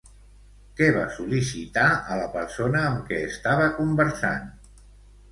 Què va sol·licitar a la persona amb què estava conversant?